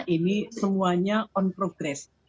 ini semuanya on progress